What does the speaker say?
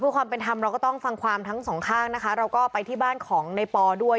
เพื่อความเป็นธรรมเราก็ต้องฟังความทั้งสองข้างนะคะเราก็ไปที่บ้านของในปอด้วย